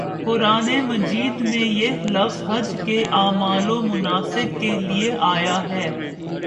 قرآنِ مجید میں یہ لفظ حج کے اعمال و مناسک کے لیے آیا ہے